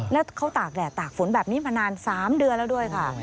แล้วเขาตากแดดตากฝนแบบนี้มานาน๓เดือนแล้วด้วยค่ะ